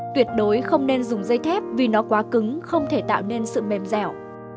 tuyệt đối không nên dùng dây thép vì nó quá cứng không thể tạo nên sự mềm dẻo